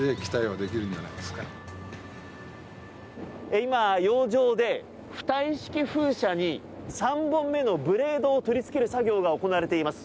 今、洋上で浮体式風車に３本目のブレードを取りつける作業が行われています。